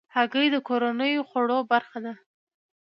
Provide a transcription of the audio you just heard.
هګۍ د کورنیو خوړو برخه ده.